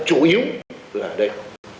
chủ yếu là ở đây